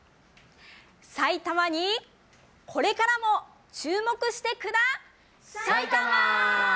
埼玉にこれからも注目してくださいたま！